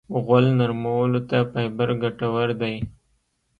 غول نرمولو ته فایبر ګټور دی.